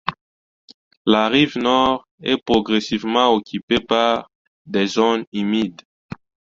La rive nord est progressivement occupée par des zones humides.